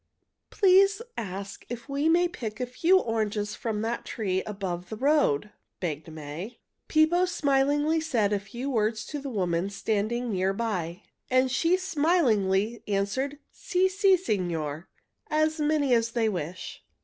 Please ask if we may pick a few oranges from that tree just above the road," begged May. Pippo smilingly said a few words to a woman standing near by, and she smilingly answered, "Si, si, signor. As many as they wish."